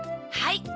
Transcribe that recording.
はい。